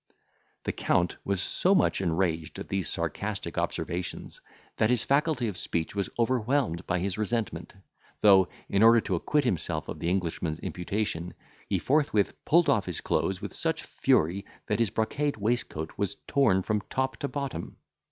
The count was so much enraged at these sarcastic observations, that his faculty of speech was overwhelmed by his resentment; though, in order to acquit himself of the Englishman's imputation, he forthwith pulled off his clothes with such fury, that his brocade waistcoat was tore from top to bottom.